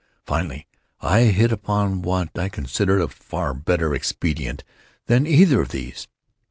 Finally I hit upon what I considered a far better expedient than either of these.